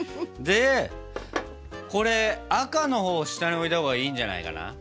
でこれ赤の方下に置いた方がいいんじゃないかな？